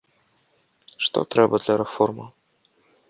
Што трэба для рэформаў?